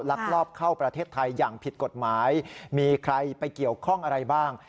ลักลอบเข้าประเทศไทยอย่างผิดกฎหมายมีใครไปเกี่ยวข้องอะไรบ้าง